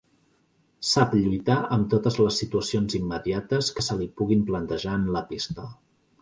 Sap lluitar amb totes les situacions immediates que se li puguin plantejar en la pista.